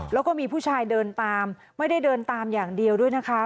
แล้วก็มีผู้ชายเดินตามไม่ได้เดินตามอย่างเดียวด้วยนะคะ